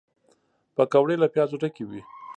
پکورې له پیازو ډکې وي